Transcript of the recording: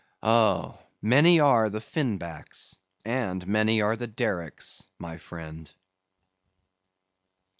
Oh! many are the Fin Backs, and many are the Dericks, my friend.